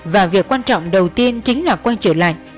và việc quan trọng đầu tiên chính là quay trở lại